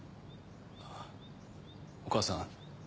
あぁお義母さん。